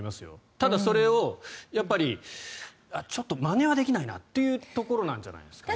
ただ、それをちょっとまねはできないなっていうところなんじゃないですかね。